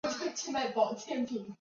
手焊则经常使用烙铁。